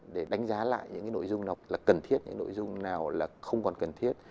để đánh giá lại những nội dung nào là cần thiết những nội dung nào là không còn cần thiết